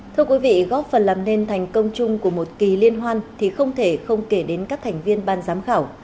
thưa quý vị góp phần làm nên thành công chung của một kỳ liên hoan thì không thể không kể đến các thành viên ban giám khảo